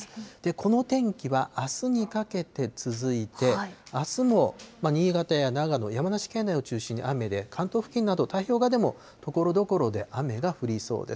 この天気はあすにかけて続いて、あすも新潟や長野、山梨県内を中心に雨で、関東付近など、太平洋側でもところどころで雨が降りそうです。